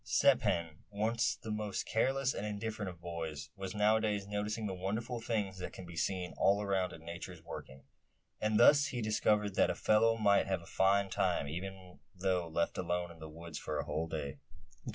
Step Hen, once the most careless and indifferent of boys, was nowadays noticing the wonderful things that can be seen all around in Nature's working; and thus he discovered that a fellow might have a fine time, even though left alone in the woods for a whole day!